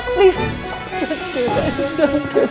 tolong dengarkan aku